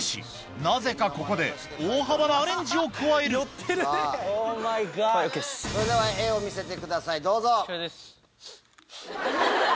なぜかここで大幅なアレンジを加えるそれでは絵を見せてくださいどうぞ。